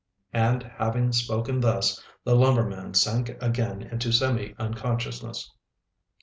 And having spoken thus, the lumberman sank again into semi unconsciousness.